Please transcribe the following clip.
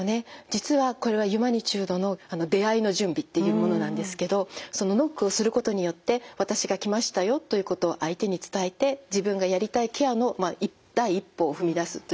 実はこれはユマニチュードの出会の準備っていうものなんですけどそのノックをすることによって私が来ましたよということを相手に伝えて自分がやりたいケアの第一歩を踏み出すということなんです。